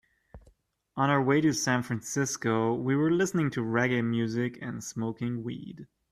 On our way to San Francisco, we were listening to reggae music and smoking weed.